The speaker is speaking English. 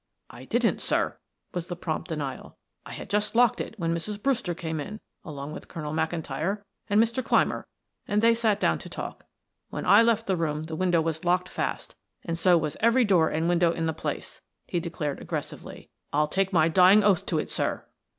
"I didn't, sir," was the prompt denial. "I had just locked it when Mrs. Brewster came in, along with Colonel McIntyre and Mr. Clymer, and they sat down to talk. When I left the room the window was locked fast, and so was every door and window in the place," he declared aggressively. "I'll take my dying oath to it, sir."